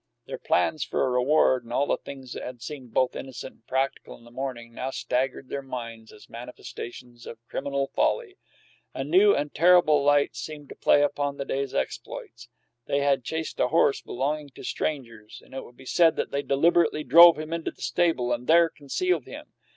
Their plans for a reward, and all the things that had seemed both innocent and practical in the morning, now staggered their minds as manifestations of criminal folly. A new and terrible light seemed to play upon the day's exploits; they had chased a horse belonging to strangers, and it would be said that they deliberately drove him into the stable and there concealed him.